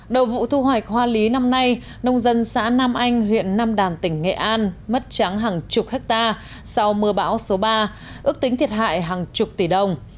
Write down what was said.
đầu vụ thu hoạch hoa lý năm nay nông dân xã nam anh huyện nam đàn tỉnh nghệ an mất trắng hàng chục hectare sau mưa bão số ba ước tính thiệt hại hàng chục tỷ đồng